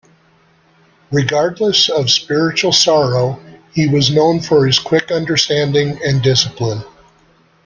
Regardless of spiritual sorrow, he was known for his quick understanding and discipline.